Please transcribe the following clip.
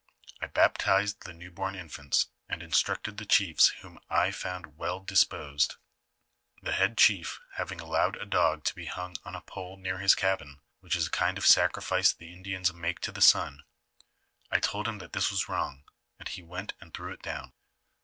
I baptized the new bom infants, and instructed the chiefs M'hom I found well dis posed. The head chief having allowed a dog to be hung on a pole near his cabin, which is a kind of sacrifice the Indians make to the sun, I told him that th's was wrong, and he went and threw it down.